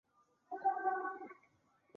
他生前与离婚多年的前妻育有一子一女。